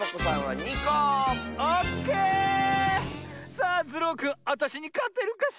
さあズルオくんあたしにかてるかしら？